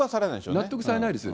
納得されないですよ。